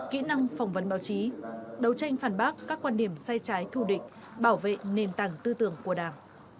kỹ năng phỏng vấn báo chí đấu tranh phản bác các quan điểm sai trái thù địch bảo vệ nền tảng tư tưởng của đảng